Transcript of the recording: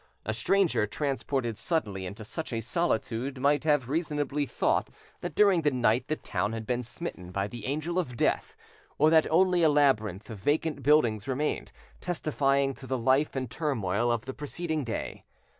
A stranger transported suddenly into such a solitude might have reasonably thought that during the night the town had been smitten by the Angel of Death, and that only a labyrinth of vacant buildings remained, testifying to the life and turmoil of the preceding day.